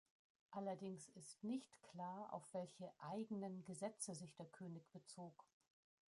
Allerdings ist nicht klar, auf welche „eigenen“ Gesetze sich der König bezog.